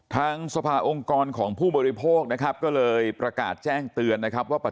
ทางสภาองค์กรของผู้บริโภคนะครับก็เลยประกาศแจ้งเตือนนะครับว่า